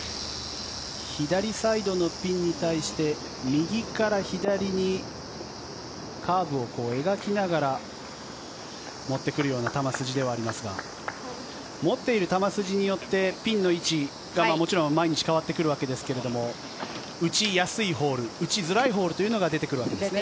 左サイドのピンに対して右から左にカーブを描きながら持ってくるような球筋ではありますが持っている球筋によってピンの位置がもちろん毎日変わってくるわけですけど打ちやすいホール打ちづらいホールというのが出てくるわけですね。